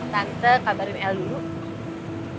tante kabarin el dulu